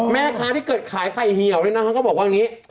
แม่ค้าที่เกิดขายไข่เหี่ยวเนี่ยนะคะก็บอกว่าอย่างนี้